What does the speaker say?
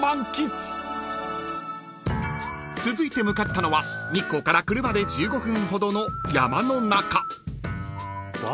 ［続いて向かったのは日光から車で１５分ほどの山の中］